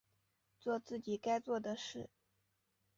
作自己该做的事